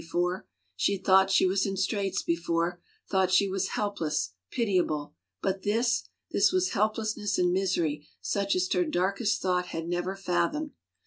She had thought she was in straits before, thought she was help less, pitiable, but this, this was helplessness and misery such as her darkest thought had never fathomed.